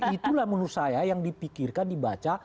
itulah menurut saya yang dipikirkan dibaca